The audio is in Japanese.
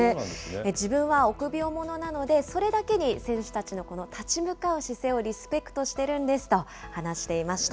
自分は臆病者なので、それだけに選手たちのこの立ち向かう姿勢をリスペクトしているんですと話していました。